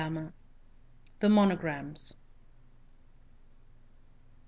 THE MONOGRAMS.